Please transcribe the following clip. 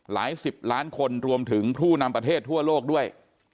หลายสิบล้านคนรวมถึงผู้นำประเทศทั่วโลกด้วย